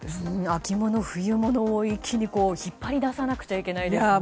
秋物冬物を一気に引っ張り出さないといけないですね。